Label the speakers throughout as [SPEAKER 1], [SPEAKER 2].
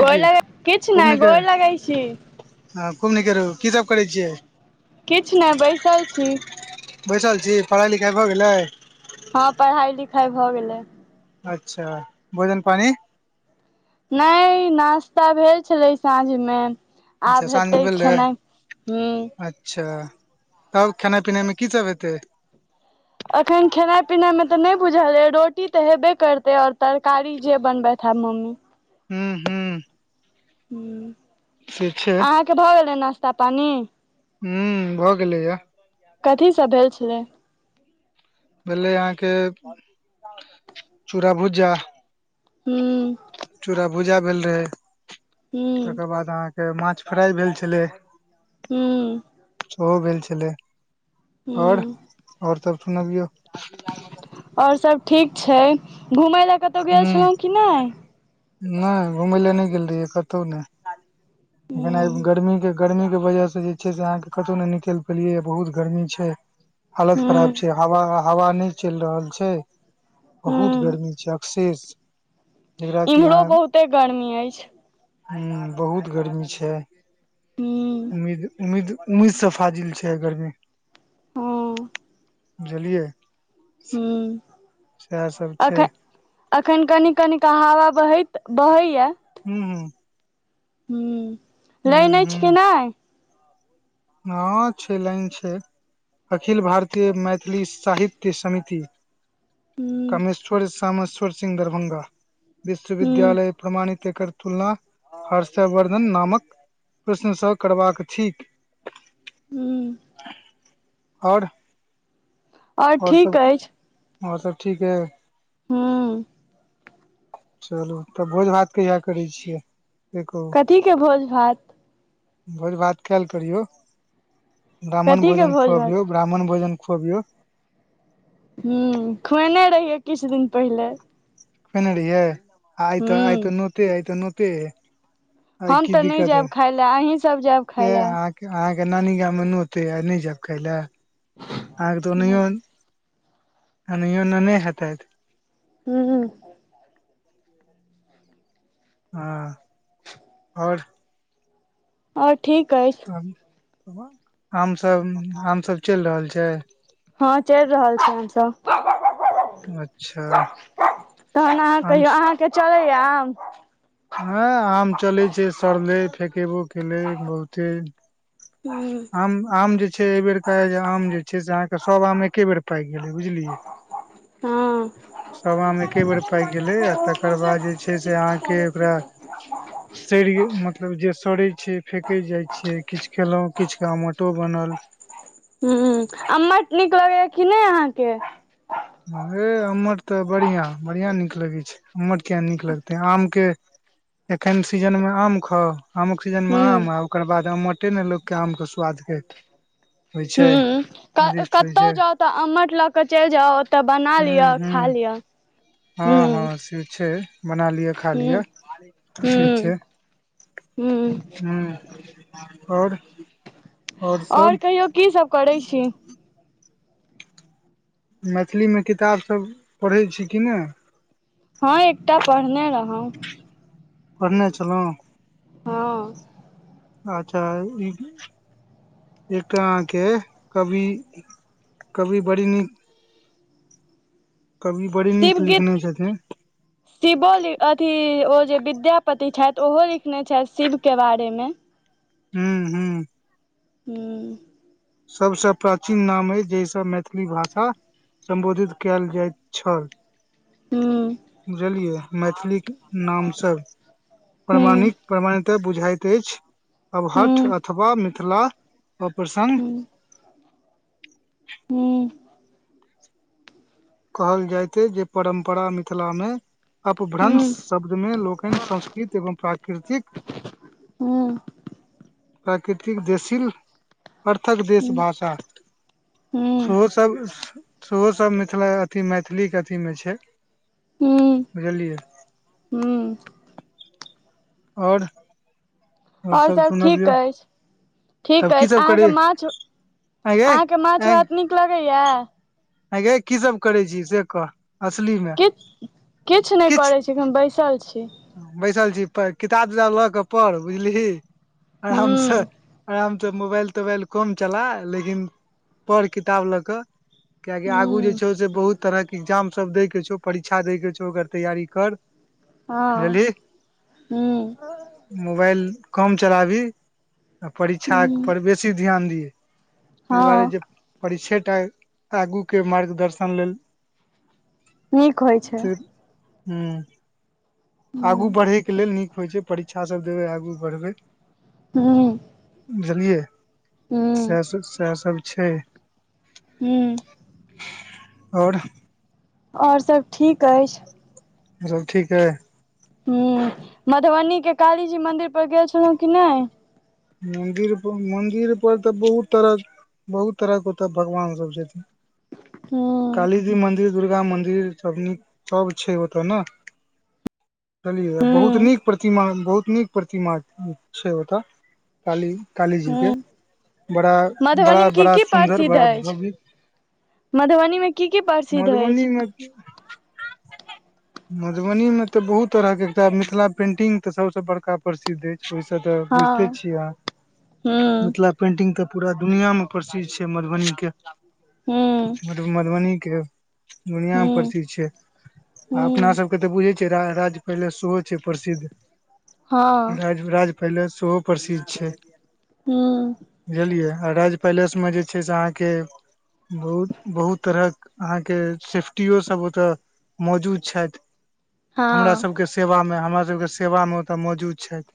[SPEAKER 1] गोर
[SPEAKER 2] जी
[SPEAKER 1] लगै किछ
[SPEAKER 2] खूब
[SPEAKER 1] नहि
[SPEAKER 2] नीक
[SPEAKER 1] गोड़ लगैत छी।
[SPEAKER 2] हँ खुब निके रहू की सब करै छियै?
[SPEAKER 1] किछ नहि बैसल छी।
[SPEAKER 2] बैसल छी पढ़ाइ लिखाइ भऽ गेलै?
[SPEAKER 1] हँ पढ़ाई लिखाई भऽ गेलै।
[SPEAKER 2] अच्छा भोजन पानी?
[SPEAKER 1] नहि नास्ता भेल छलै साँझ मे।
[SPEAKER 2] अच्छा
[SPEAKER 1] आब हेतै
[SPEAKER 2] साँझमे भेल रहै
[SPEAKER 1] खेनाइ हूं।
[SPEAKER 2] अच्छा तब खेनाइ पिनाईमे की सब हेतै?
[SPEAKER 1] अखन खेनाइ पिनाइमे तऽ नहि बुझल य रोटी तऽ हेबे करतै ओर तरकारी जे बनबैत हैब मम्मी।
[SPEAKER 2] हूँ हूँ
[SPEAKER 1] हूँ
[SPEAKER 2] [unintelligible] छैय।
[SPEAKER 1] के भऽ गेलै नास्ता पानी?
[SPEAKER 2] हू भऽ गेलैया।
[SPEAKER 1] कथी सब भेल छलै?
[SPEAKER 2] भेलै अहाँके चूरा भुजा।
[SPEAKER 1] हू
[SPEAKER 2] चूड़ा भुजा भेल रहै
[SPEAKER 1] हूँ
[SPEAKER 2] तकर बाद अहाँके माछ फ्राइ भेल छलै।
[SPEAKER 1] हूँ
[SPEAKER 2] ओहो भेल छलै आओर
[SPEAKER 1] हूँ
[SPEAKER 2] ओर सब सुनबियौ।
[SPEAKER 1] आओर सब ठीक छैय घुमय लए कतहु गेल
[SPEAKER 2] हूँ
[SPEAKER 1] छलहुँ कि नहि?
[SPEAKER 2] नहि घुमय लए नहि गेल रहियै कतहु नहि।
[SPEAKER 1] [inaudible]
[SPEAKER 2] भेनाइ गर्मीके गर्मीके वजहसँ जे छैय से अहाँके कतहु नहि निकलि पेलियैए बहुत गर्मी छैय। हालत खराब
[SPEAKER 1] हूँ
[SPEAKER 2] छैय हवा हवा नहि चलि रहल छैय बहुत
[SPEAKER 1] हूँ
[SPEAKER 2] गर्मी छैय। शेष जेकरा कि
[SPEAKER 1] इम्हरो
[SPEAKER 2] अहां
[SPEAKER 1] बहुते गर्मी अछि
[SPEAKER 2] हं बहुत गर्मी छैय।
[SPEAKER 1] हूँ
[SPEAKER 2] उम्मीद उम्मीद उमीद से फाजिल छैय आई गर्मी।
[SPEAKER 1] हँ
[SPEAKER 2] बुझलियै
[SPEAKER 1] हूँ
[SPEAKER 2] सैह सब
[SPEAKER 1] अखन
[SPEAKER 2] छैय।
[SPEAKER 1] अखन कनी कनिक हवा बहैत बहैया।
[SPEAKER 2] हू हू
[SPEAKER 1] हँ लैन
[SPEAKER 2] हूं
[SPEAKER 1] अछि कि
[SPEAKER 2] हूं
[SPEAKER 1] नहि?
[SPEAKER 2] हँ छैय लाइन छैय। अखिल भारतीये मैथिली साहित्य समिति।
[SPEAKER 1] हूँ
[SPEAKER 2] कामेश्वर श्यामेश्वर सिंह दरभङ्ंगा
[SPEAKER 1] हूँ
[SPEAKER 2] विश्वविद्यालय प्रमाणित एकर तुलना हर्षवर्धन नामक प्रश्नसँ करबाक थिक।
[SPEAKER 1] हू
[SPEAKER 2] और
[SPEAKER 1] आओर
[SPEAKER 2] और सब
[SPEAKER 1] ठीक
[SPEAKER 2] कि
[SPEAKER 1] अछि
[SPEAKER 2] और सब ठीक अइ?
[SPEAKER 1] हँ
[SPEAKER 2] चलू तऽ भोज भात कहिया करै छियै? से कहू
[SPEAKER 1] कथी के भोज भात?
[SPEAKER 2] भोज भात कैल करियौ ब्राह्मण
[SPEAKER 1] कथी के
[SPEAKER 2] भोजन
[SPEAKER 1] भोज भात
[SPEAKER 2] खुअबियौ ब्राह्मण भोजन खुअबियौ।
[SPEAKER 1] हूं खुएने रहियै किछु दिन पहिले।
[SPEAKER 2] खुऐने रहियै आइतऽ
[SPEAKER 1] हूँ
[SPEAKER 2] आइतऽ नोउते अय नोउते अय।
[SPEAKER 1] हम तऽ नहि जायब खाय ले अहीं सब जायब। खाय
[SPEAKER 2] के
[SPEAKER 1] लए
[SPEAKER 2] अहांके अहाँके नानी गाम मे नोउत अइ आ नहि जायब खाय लए आहांके तऽ ओनहिओ ओनहिओ नाने हेतैत
[SPEAKER 1] हूं हूं
[SPEAKER 2] [inaudible] [inaudible] [inaudible] हँ
[SPEAKER 1] [inaudible]
[SPEAKER 2] और
[SPEAKER 1] और ठीक अछि
[SPEAKER 2] तब आम सब आम सब चलि रहल छै
[SPEAKER 1] हँ चलि रहल छै आम सब
[SPEAKER 2] अच्छा
[SPEAKER 1] अहाँ
[SPEAKER 2] आम
[SPEAKER 1] कहियौ अहाँके चलैया आम
[SPEAKER 2] हँ आम चले छै सड़ले फकेबो केले बहुते
[SPEAKER 1] हँ
[SPEAKER 2] आम जे छै एहि बेरका जे आम जे छै से अहाँके सभ आम एके बेर पाकि गेलै बुझलियै
[SPEAKER 1] हँ
[SPEAKER 2] सभ आम एके बेर पाकि गेलै आ तकर बाद जे छै से अहाँके ओकरा सरिये मत मतलब जे सड़ै छै फेकैत जाइ छियै किछु खेलहुँं किछु क आमोटो बनल
[SPEAKER 1] हं आम्मट नीक लगैया कि नहि अहाँके
[SPEAKER 2] हँ हे अम्मट तऽ बढ़ियां बढ़ियां नीक लगैत छै अम्मट किया नै नीक लगते आम के एखन सीजन मे आम खाउ आम क्सीजनमे
[SPEAKER 1] हूँ
[SPEAKER 2] आम ओकर बाद आमटे ने लोकके आम के स्वादके
[SPEAKER 1] हूं कतहु
[SPEAKER 2] छै
[SPEAKER 1] जाउ तऽ अम्मठ लऽ के चलि जाउ ओतऽ बना
[SPEAKER 2] हूं
[SPEAKER 1] लिअ
[SPEAKER 2] हूं
[SPEAKER 1] खा लिअ हूँ
[SPEAKER 2] हँ हँ से छै बना लिअ खा
[SPEAKER 1] हूँ
[SPEAKER 2] लिअ से
[SPEAKER 1] हूँ
[SPEAKER 2] छै
[SPEAKER 1] हूँ
[SPEAKER 2] ह ओर
[SPEAKER 1] ओर कहियो कीसभ करै छी
[SPEAKER 2] मैथिलीमे किताब सब पढ़ैत छी कि नहि
[SPEAKER 1] हँ एकटा पढ़ने रहौ
[SPEAKER 2] पढ़ने छलहुँ
[SPEAKER 1] हँ
[SPEAKER 2] अच्छा ई एक आहाँ के कवि कवि बड़ी नीक कवि बड़ी
[SPEAKER 1] शिव
[SPEAKER 2] नीक
[SPEAKER 1] गीत
[SPEAKER 2] लिखने छथिन
[SPEAKER 1] शिवो अथी ओ जे विद्यापति छथि ओहो लिखने छथि शिवके बारेमे
[SPEAKER 2] हू हू
[SPEAKER 1] हूँ
[SPEAKER 2] सभसँ प्राचीन नाम अइ जहिसँ मैथिली भाषा सम्बोधित कयल जाइत छल
[SPEAKER 1] हूँ
[SPEAKER 2] बुझलियै मैथिलीक नामस
[SPEAKER 1] हूँ
[SPEAKER 2] प्रमाणिक प्रमाणित बुझाइत अछि अबहठ
[SPEAKER 1] हूँ
[SPEAKER 2] अथवा मिथिला ब प्रसन्न
[SPEAKER 1] हूँ हूँ
[SPEAKER 2] कहल जाइत जे परम्परा मिथिलामे
[SPEAKER 1] हूँ
[SPEAKER 2] अपभ्रंश शब्दमे लोकनि संस्कृत एवं प्राकृतिक
[SPEAKER 1] हूँ
[SPEAKER 2] प्राकृतिक देशील अर्थक देश
[SPEAKER 1] हूँ
[SPEAKER 2] भाषा
[SPEAKER 1] हूँ
[SPEAKER 2] सेहो सब सेहो सब मिथिला अथी मैथिलीके अथीमे छै
[SPEAKER 1] हूँ
[SPEAKER 2] बुझलियै
[SPEAKER 1] हूँ
[SPEAKER 2] आओर
[SPEAKER 1] आओर सब ठीक अछि। ठीक
[SPEAKER 2] तब की
[SPEAKER 1] अछि
[SPEAKER 2] सब
[SPEAKER 1] अहाँके
[SPEAKER 2] करी
[SPEAKER 1] माछ
[SPEAKER 2] आँ यै
[SPEAKER 1] अहाँके माछ भात नीक लगैया?
[SPEAKER 2] आय गै की सब करै छी से कह? असली मे।
[SPEAKER 1] किछ किछ नहि करै छी हम बैसल छी।
[SPEAKER 2] बैसल छीही किताब जिताब लऽ कऽ पढ़ बुझलीही।
[SPEAKER 1] हूँ
[SPEAKER 2] आरामसे आरामसे मोबाइल तोबाइल कम चला लेकिन पढ़ किताब लकऽ कियाकि आगू जे
[SPEAKER 1] हूँ
[SPEAKER 2] छौ से बहुत तरह के एग्जाम सब दैके छौ परीक्षा दैके छौ ओकर तैयारी कर।
[SPEAKER 1] हँ
[SPEAKER 2] बुझलही
[SPEAKER 1] हूँ
[SPEAKER 2] मोबाइल कम चलाबी आ परीक्षा
[SPEAKER 1] हूँ
[SPEAKER 2] पर बेसी ध्यान दि। तहि दुआरे
[SPEAKER 1] हँ
[SPEAKER 2] जे परीक्षाय टा आगू के मार्गदर्शन लेल
[SPEAKER 1] नीक होइ छैय।
[SPEAKER 2] से हूँ
[SPEAKER 1] हूँ
[SPEAKER 2] आगू बढ़यके लेल नीक होइ छैय परीक्षा सभ देबै आगू बढ़बै।
[SPEAKER 1] हूँ
[SPEAKER 2] बुझलियै
[SPEAKER 1] हूँ
[SPEAKER 2] सैह सब सैह सब छैय।
[SPEAKER 1] हूॅं
[SPEAKER 2] आओर
[SPEAKER 1] आओर सब ठीक अछि।
[SPEAKER 2] सब ठीक अय।
[SPEAKER 1] हूं मधुबनीके कालीजी मन्दिर पर गेल छलहुँ कि नहि?
[SPEAKER 2] मन्दिर पर मन्दिर पर तऽ बहुत तरह बहुत तरह के ओत भगवान सब छथिन।
[SPEAKER 1] हूँ
[SPEAKER 2] काली जी मंन्दिर दुर्गा मंन्दिर सब सब छैय ओत ने। कहलियै बहुत
[SPEAKER 1] हूँ
[SPEAKER 2] नीक प्रतिमा बहुत नीक प्रतिमा छैय ओतऽ काली काली जीके
[SPEAKER 1] हूँ
[SPEAKER 2] बड़ा
[SPEAKER 1] मधुबनी
[SPEAKER 2] बड़ा
[SPEAKER 1] मे
[SPEAKER 2] बड़ा सुन्दर बड़ा भव्य।
[SPEAKER 1] मधुबनीमे की की प्रसिद्ध अछि?
[SPEAKER 2] [unintelligible]
[SPEAKER 1] [inaudible]
[SPEAKER 2] मधुबनी में त बहुत तरहके एकटा मिथिला पेंटिंग तऽ सबसे बड़का प्रसिद्ध अछि। ओहिसँ तऽ बुझिते
[SPEAKER 1] हँ
[SPEAKER 2] छियै अह
[SPEAKER 1] हूँ
[SPEAKER 2] मतलब पेंटिंग तऽ पूरा दुनिया मे प्रसिद्ध छैय मधुबनी के।
[SPEAKER 1] हूॅं
[SPEAKER 2] मधुबनी के दुनिया मे प्रसिद्ध छैय। आ अपना
[SPEAKER 1] हूँ
[SPEAKER 2] सबके तऽ बुझै छियै राज पैलेस सेहो छैय प्रसिद्ध।
[SPEAKER 1] हँ
[SPEAKER 2] राज राज पैलेश सेहो प्रसिद्ध छैय।
[SPEAKER 1] हूँ
[SPEAKER 2] बुझलियै आ राज पैलेसमे जे छैय से अहाँके बहुत बहुत तरहक अहाँके सेफ्टिो सब ओतय मौजूद छैथ। हमरा
[SPEAKER 1] हँ हूँ
[SPEAKER 2] सभके सेवामे हमरा सभके सेवामे ओतय मौजूद छथि।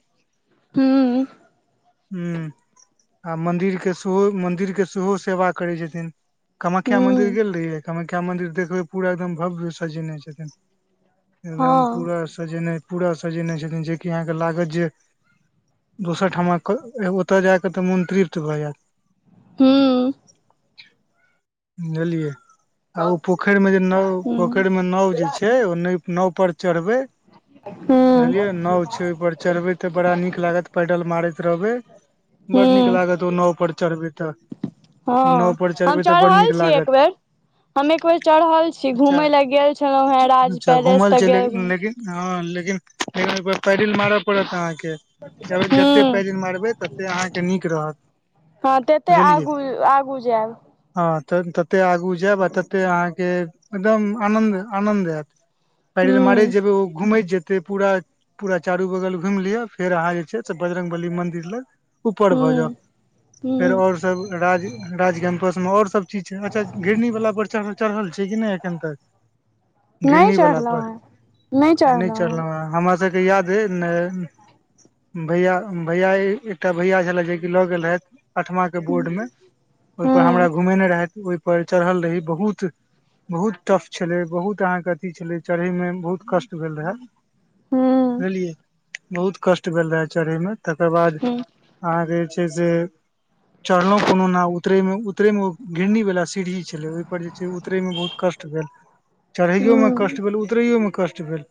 [SPEAKER 1] हूँ
[SPEAKER 2] हूं आ मन्दिर के सेहो मन्दिर के सेहो सेवा करै छथिन। कामख्या मंदिर
[SPEAKER 1] हूँ
[SPEAKER 2] गेल रहियै कामख्या मंदिर देखबै पूरा एकदम भव्य सजेने छथिन। एकदम पूरा सजेनाइ पूरा सजेने छथिन जेकि अहाँके लागत जे दोसर ठामक ओतय जाकऽ तऽ मन तृप्त भऽ जायत।
[SPEAKER 1] हूँ
[SPEAKER 2] बुझलियै आ ओ पोखरी में जे नाव पोखरी मे नाव जे छैय हे ओय नाव पर जे चढ़बै
[SPEAKER 1] हूँ
[SPEAKER 2] बुझलियए नाव छै ओहिपर चढ़बै ते बड़ा नीक लागत पैडल मारैत रहबे बड़ नीक
[SPEAKER 1] हूँ
[SPEAKER 2] लागत ओ नाव पर चढ़बै तऽ ओ नाव
[SPEAKER 1] हँ
[SPEAKER 2] पर
[SPEAKER 1] हम
[SPEAKER 2] चढ़बै तऽ बड
[SPEAKER 1] चढ़ल
[SPEAKER 2] नीक
[SPEAKER 1] छी एक
[SPEAKER 2] लागत
[SPEAKER 1] बेर हम एक बेेर चड़हल छी
[SPEAKER 2] अच्छा
[SPEAKER 1] घूमय लए गेल छलहुं हें राज
[SPEAKER 2] अच्छा
[SPEAKER 1] पैलेस
[SPEAKER 2] घूमल
[SPEAKER 1] तऽ
[SPEAKER 2] छै
[SPEAKER 1] गेल
[SPEAKER 2] लेकिन
[SPEAKER 1] घ
[SPEAKER 2] लेकिन हँ लेकिन लेकिन एक पैडिल मारऽ पड़त अहाँके ज जते पैडिल मारबै तते अहाँके नीक रहत
[SPEAKER 1] हँ तेते
[SPEAKER 2] बुझलियै
[SPEAKER 1] आगू आगू जायब
[SPEAKER 2] हँ तऽ तते आगू जायब आ तते अहाँके एकदम आनन्द आनन्द आयत पैडिल मारैत
[SPEAKER 1] हूँ
[SPEAKER 2] जेबै ओ घूमैत जेते पूरा पूरा चारू बगल घुम लिअ फेर अहाँ जे छै से बजरंगबली मंदिर लग उपर भ
[SPEAKER 1] हूँ हूँ
[SPEAKER 2] जाउ आओर राज राज टेम्पल्स और सब ठीक छै अच्छा घिरनी वला पर चढ़ल चढ़ल छै की नहि एखन तक
[SPEAKER 1] नहि
[SPEAKER 2] घिरनी वला पर
[SPEAKER 1] चढ़लहुँ हेँ
[SPEAKER 2] नहि चढ़लहुं हे हमरा सबके याद ने भैया भैया एकटा भैया छले जे कि लऽ गेल रहथि आठवा के बोर्ड
[SPEAKER 1] हेँ
[SPEAKER 2] मे ओहिपर हमरा
[SPEAKER 1] हूँ
[SPEAKER 2] घुमेने रहा ओहिपर चढ़ल रही बहुत बहुत टफ छलै बहुत अहाँके अथी छलै चढ़य मे बहुत कष्ट भेल रहय
[SPEAKER 1] हूँ
[SPEAKER 2] बुझलियै बहुत कष्ट भेल रहए चढ़ैमे तेकर बाद
[SPEAKER 1] हूँ
[SPEAKER 2] अहाँके जे छै से चढ़लहु कोनो न उतरे मे उतरे मे घिरनी वाला सीढ़ी छलै ओहि पर जे छै उतरै मे बहुत कष्ट भेल चढ़यो में कष्ट
[SPEAKER 1] हूँ
[SPEAKER 2] भेल उतरैओ मे कष्ट भेल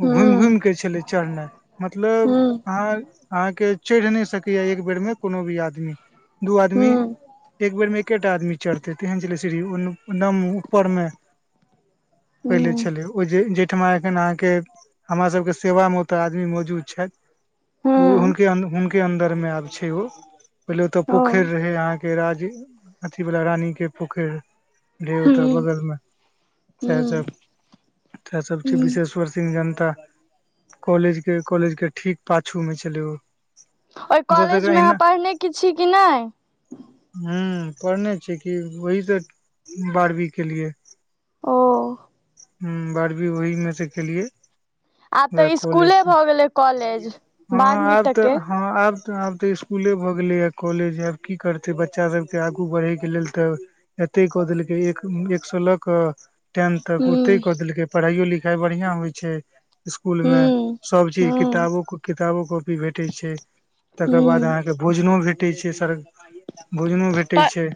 [SPEAKER 2] ओ घुमि
[SPEAKER 1] हूँ
[SPEAKER 2] घुमि के छले चढ़नाइ मतलब
[SPEAKER 1] हूँ
[SPEAKER 2] अहाँ अहाँ के चढ़ि नै सकैया एक बेर में कोनो भी आदमी दू आदमी
[SPEAKER 1] हूँ
[SPEAKER 2] एक बेर में एकटा आदमी चढ़तै तेहन छलै सीड़ी ओन् नम् उपर मे पहिले
[SPEAKER 1] हूँ
[SPEAKER 2] छलै ओ जे तेहमा एखन अहाँके हमरा सबके सेवा मे ओतऽ आदमी मौजूद छैथ ओ
[SPEAKER 1] हूँ
[SPEAKER 2] हुनके हुनके अन्दर में आब छै ओ पहिले ओते
[SPEAKER 1] ओ
[SPEAKER 2] पोखरि रहे अहाँके राज्य वाल रानी के पोखैर रहे ओत
[SPEAKER 1] हूँ
[SPEAKER 2] बगल मे सेह्
[SPEAKER 1] हूँ
[SPEAKER 2] सब त सब छै
[SPEAKER 1] हूँ
[SPEAKER 2] विशेश्वर सिंह जनता कॉलेज के कॉलेज के ठीक पाछू में छलै ओ
[SPEAKER 1] ओहि
[SPEAKER 2] हमसब
[SPEAKER 1] कॉलेज मे आहाँ पढ़ने कि छी कि नहि
[SPEAKER 2] हूं पढ़ने छ कि वही स बारहवीं केलिए
[SPEAKER 1] ओ
[SPEAKER 2] हूं बारबी ओहि मे से केलीये
[SPEAKER 1] आब
[SPEAKER 2] वेह
[SPEAKER 1] तऽ
[SPEAKER 2] कॉलेज
[SPEAKER 1] स्कूले
[SPEAKER 2] सँ
[SPEAKER 1] भऽ गेलै कॉलेज
[SPEAKER 2] हँ
[SPEAKER 1] बारहवीं
[SPEAKER 2] आब तऽ
[SPEAKER 1] तकके
[SPEAKER 2] हँ आब तऽ आब तऽ इसकुले भऽ गेलैए कॉलेज आब की करतै बच्चा सभके आगू बढ़ै के लेल तऽ एते कऽ देलकै एक एक सो लऽ क टेन तक
[SPEAKER 1] हूँ
[SPEAKER 2] ओ ल पढ़ाइयो लिखाई बढ़िया होइ छै स्कुल मे
[SPEAKER 1] हूँ
[SPEAKER 2] सब चीज
[SPEAKER 1] हूँ
[SPEAKER 2] किताबो किताबो कॉपी भेटै छै तकर बाद
[SPEAKER 1] हूँ
[SPEAKER 2] अहाँके भोजनो भेटै छै सर भोजनो भेटै
[SPEAKER 1] तऽ
[SPEAKER 2] छै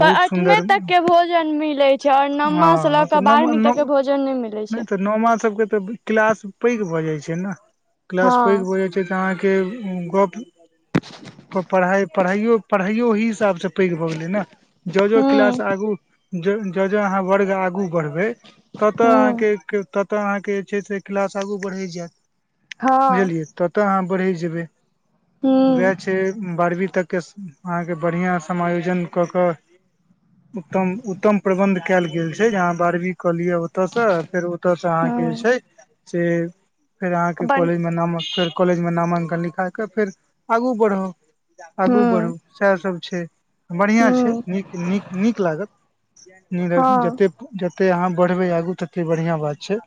[SPEAKER 1] तऽ अठमे
[SPEAKER 2] सुन्दर
[SPEAKER 1] तक के भोजन मिलै छै ओर नौमा से लऽ
[SPEAKER 2] हँ तऽ
[SPEAKER 1] क
[SPEAKER 2] नम
[SPEAKER 1] बारहवीं एते
[SPEAKER 2] नम
[SPEAKER 1] के भोजन नहि मिले छै
[SPEAKER 2] तऽ नौमा सब के ते क्लास पैक भऽ जाय छै ने क्लास
[SPEAKER 1] हँ
[SPEAKER 2] पैक भ जाय छै अहा के गप प पढा पढ़ायो पढायो वहि इस् ब से पैघ भए गेले ने जजो
[SPEAKER 1] हूँ
[SPEAKER 2] क्लास आगू जजो अहाँ वर्ग आगू बढ़बै ततऽ
[SPEAKER 1] हूँ
[SPEAKER 2] अहाँके ततऽ अहाँके जे छै से क्लास आगू बढ़ै जायत
[SPEAKER 1] हँ
[SPEAKER 2] बुझलियै ततऽ अहाँ बढ़ै जेबै
[SPEAKER 1] हूँ
[SPEAKER 2] वएह छै बारहवीं तक के अहाँके बढ़िआँ समायोजन कऽ कऽ उत्तम उत्तम प्रबन्ध कयल गेल छै जे आहाँ बारहवीं कऽलिय ओतयसँ फेर ओतयसँ अहाँके जे
[SPEAKER 1] हूँ
[SPEAKER 2] छै से फेर अहाँके
[SPEAKER 1] बन
[SPEAKER 2] कॉलेजमे नामेर कॉलेजमे नामाङ्कन लिखा कऽ फेर आगू बढ़ब
[SPEAKER 1] हूँ
[SPEAKER 2] आगू बढ़ू सैह सब छैय। बढ़ियां छैय
[SPEAKER 1] हूँ
[SPEAKER 2] निक नीक नीक लागत
[SPEAKER 1] हँ
[SPEAKER 2] जते जते ते अहाँ बढ़बै आगू तते बढ़िआँ बात छैय।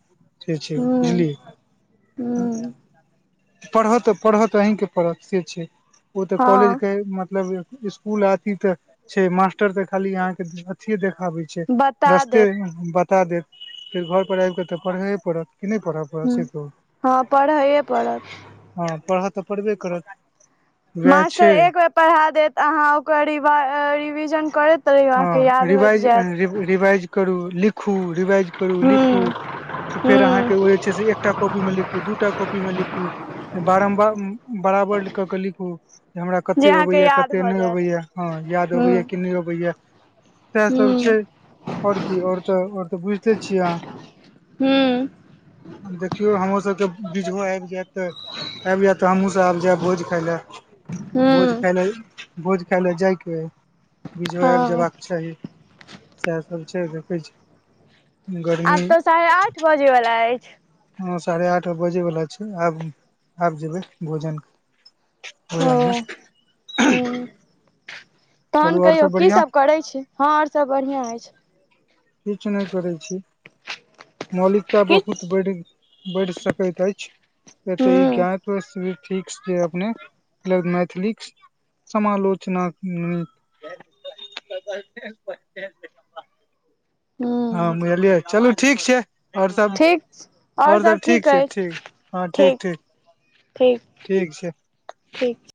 [SPEAKER 2] से छैय
[SPEAKER 1] हूँ
[SPEAKER 2] बुझलियै।
[SPEAKER 1] हूँ
[SPEAKER 2] पढ़ऽ तऽ पढ़ऽ तऽ अहींँके पढरत से छैय ओ तऽ
[SPEAKER 1] हँ
[SPEAKER 2] कॉलेजके मतलब स्कूल अथी ते छैय मास्टर त खाली अहाँ के अथिये देखाबे छैय।
[SPEAKER 1] बता
[SPEAKER 2] रस्ते
[SPEAKER 1] देत
[SPEAKER 2] बता देत फेर घर पर आयब कऽ तऽ पढ़े पड़त कि नहि पढ़ब?
[SPEAKER 1] ह हँ पढ़ैए परत।
[SPEAKER 2] हँ पढ़ तऽ पढरबे करत। वएह
[SPEAKER 1] मास्टर
[SPEAKER 2] छै
[SPEAKER 1] एक बेर पढ़ा देत अहाँ ओकर रिवा रिविजन करैत रहियौ अहाँके याद होइत जायत।
[SPEAKER 2] रीव रीवाइज करू लिखु रीवाइज करू लिखू
[SPEAKER 1] हूँ
[SPEAKER 2] त फेर अहाँ के के
[SPEAKER 1] हूँ
[SPEAKER 2] उहे चीज एकटा कॉपी मे लिखू दूटा कॉपी में लिखू। बारम्बार बराबर क क लिखू। हमरा
[SPEAKER 1] जे
[SPEAKER 2] कते
[SPEAKER 1] अहाँके
[SPEAKER 2] अबैया
[SPEAKER 1] याद
[SPEAKER 2] कते
[SPEAKER 1] भऽ
[SPEAKER 2] नहि
[SPEAKER 1] जायत
[SPEAKER 2] अबैया हँ याद
[SPEAKER 1] हूँ
[SPEAKER 2] अबैया कि नहि अबैया। सैह सब
[SPEAKER 1] हूँ
[SPEAKER 2] छैय ओर की ओर और त बूझते छियै
[SPEAKER 1] हूँ
[SPEAKER 2] अहा देखयौ हम सब के बीच मे आइब जाइत ते आइब जाइत ते हमहुँ सब आइब जेब भोज खई ले।
[SPEAKER 1] हूँ
[SPEAKER 2] खाय लए भोज खाय लए जाइके हइ बीझो आबि
[SPEAKER 1] हँ
[SPEAKER 2] जयबाक चाही। सैह सब छैय देखै छी।
[SPEAKER 1] आब
[SPEAKER 2] गर्मी
[SPEAKER 1] तऽ साढ़े आठ बजे वला अछि।
[SPEAKER 2] हँ साढ़े आठ बजे बला छैय आब आब जेबै भोजन
[SPEAKER 1] ओ
[SPEAKER 2] हूं
[SPEAKER 1] हूँ तहन कहियौ की
[SPEAKER 2] बढ़िआँ
[SPEAKER 1] सब करै छी हँ ओर सब बढ़िआं अछि।
[SPEAKER 2] किछ नहि करैत छी मौलिकता बहुत
[SPEAKER 1] किछ
[SPEAKER 2] बड़ गेल‌ बढ़ सकैतै अछि त ई
[SPEAKER 1] हूँ
[SPEAKER 2] ज्ञात व [unintelligible] [unintelligible] मैथिली [unintelligible] समालोचना [unintelligible] हँ
[SPEAKER 1] हूँ
[SPEAKER 2] बुझलियै चलू ठीक छैय। और सब
[SPEAKER 1] ठीक
[SPEAKER 2] और सब ठीक छैय ठीक हँ ठीक ठीक।
[SPEAKER 1] ठीक
[SPEAKER 2] ठीक छैय।
[SPEAKER 1] ठीक छैय।